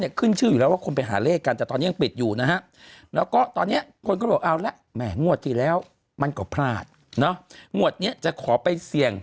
แหม่งวดที่แล้วมันก็พลาดเนอะงวดเนี้ยจะขอไปเสี่ยง